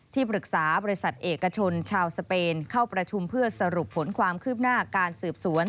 ปรึกษาบริษัทเอกชนชาวสเปนเข้าประชุมเพื่อสรุปผลความคืบหน้าการสืบสวน